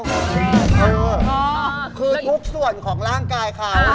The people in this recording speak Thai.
เออคือทุกส่วนของร่างกายเขา